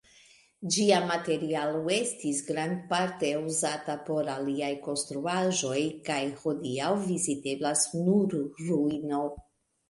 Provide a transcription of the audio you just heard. Ĝia materialo estis grandparte uzata por aliaj konstruaĵoj kaj hodiaŭ viziteblas nur ruino.